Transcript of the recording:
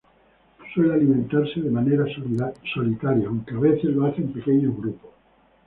Suele alimentarse de manera solitaria, aunque a veces lo hace en pequeños grupos.